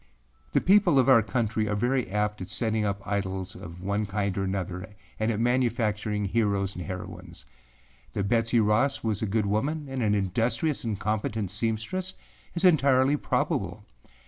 The people of our country are very apt at setting up idols of one kind or another and at manufacturing heros and heroines. That Betsey Ross was a good woman, and an industrious and competent seamstress is entirely probable.